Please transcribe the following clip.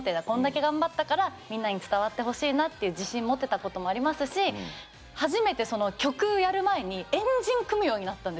こんだけ頑張ったからみんなに伝わってほしいなっていう自信持てたこともありますし初めてその曲やる前にえ⁉